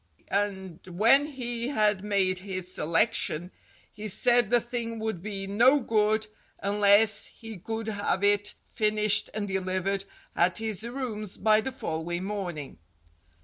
And when he had made his selection, he said the thing would be no good unless he could have it finished and delivered at his rooms by the following morning.